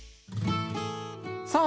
さあ